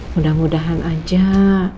mudah mudahan aja itu memang ada